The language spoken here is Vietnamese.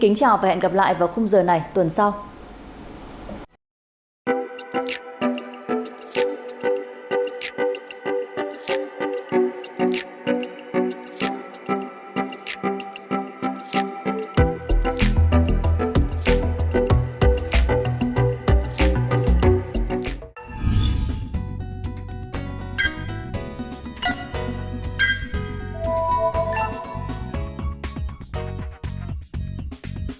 xin chào tất cả các bạn và hẹn gặp lại các bạn trong các bản tin tiếp theo của bộ truyền thông